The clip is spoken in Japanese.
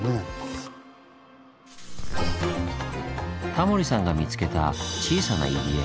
タモリさんが見つけた小さな入り江。